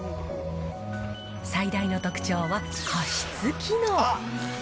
最大の特徴は、加湿機能。